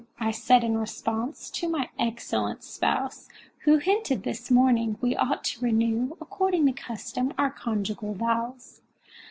I said in response to my excellent spouse, Who hinted, this morning, we ought to renew According to custom, our conjugal vows.